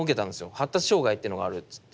発達障害ってのがあるっつって。